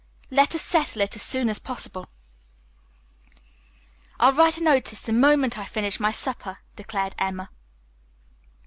"Let us settle it as soon as possible." "I'll write a notice the moment I finish my supper," declared Emma.